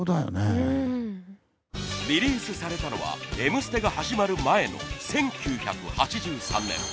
リリースされたのは『Ｍステ』が始まる前の１９８３年。